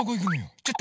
ちょっと？